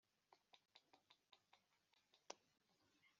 bakuzanira ibintu byo mu nzu yabo ngo ubigure